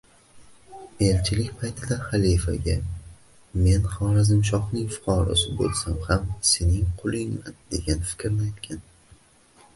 Elchilik paytida xalifaga “Men Xorazmshohning fuqarosi boʻlsam ham sening qulingman”, degan fikrni aytgan